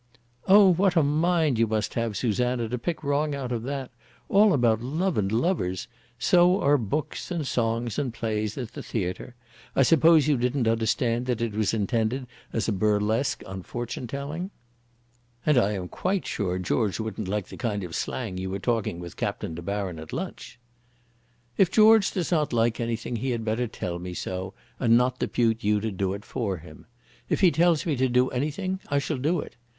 "Oh, what a mind you must have, Susanna, to pick wrong out of that! All about love and lovers! So are books and songs and plays at the theatre. I suppose you didn't understand that it was intended as a burlesque on fortune telling?" "And I am quite sure George wouldn't like the kind of slang you were talking with Captain De Baron at lunch." "If George does not like anything he had better tell me so, and not depute you to do it for him. If he tells me to do anything I shall do it.